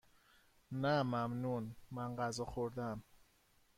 نه ممنون، من غذا خوردهام.